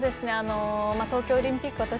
東京オリンピック